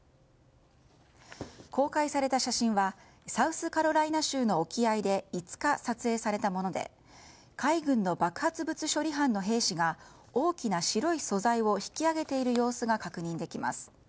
公開された写真はサウスカロライナ州の沖合で５日、撮影されたもので海軍の爆発物処理班の兵士が大きな白い素材を引き揚げている様子が確認できます。